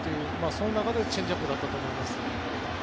その中でチェンジアップだったと思います。